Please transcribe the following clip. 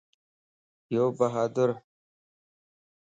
يو بھادرَ